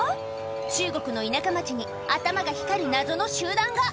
中国の田舎町に、頭が光る謎の集団が。